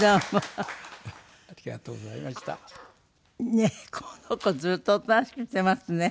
ねえこの子ずっとおとなしくしてますね。